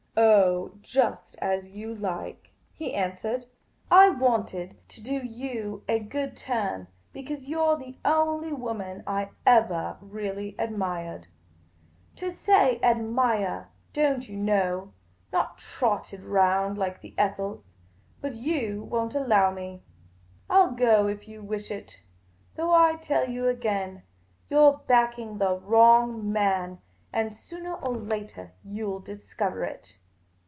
" Oh, just as you like," he answered. " I wanted to 'M The Pea Green Patrician 233 do you a good turn, because you 're the only woman I evah reahlly admiahed — to say admiah, don't you know ; not trot ted round like the Ethels ; but you won't allow me. I '11 go if you wish it ; though I tell you again, you 're backing the wrong man, and soonah or latah you '11 discover it.